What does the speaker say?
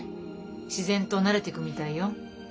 自然と慣れてくみたいよ。